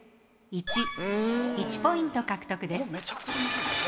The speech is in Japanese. １ポイント獲得です。